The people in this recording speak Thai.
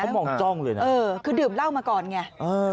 เขามองจ้องเลยนะเออคือดื่มเหล้ามาก่อนไงเออ